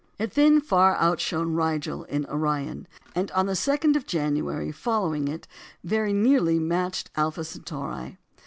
It then far outshone Rigel in Orion, and on the 2nd of January following it very nearly matched Alpha Centauri.